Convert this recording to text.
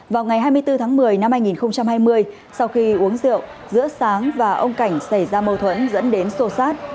vào ngày hai mươi bốn tháng một mươi năm hai nghìn hai mươi sau khi uống rượu giữa sáng và ông cảnh xảy ra mâu thuẫn dẫn đến sô sát